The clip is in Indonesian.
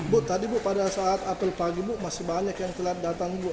bu tadi pada saat apel pagi masih banyak yang telat datang